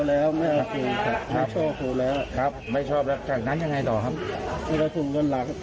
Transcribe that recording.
เราตั้งใจมั้ยหรือไม่ตั้งใจบอก